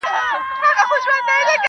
څوک چی خپل کسب پرېږدي دا ور پېښېږي -